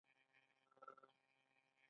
د نجونو تعلیم د ښځو خپلواکۍ رامنځته کوي.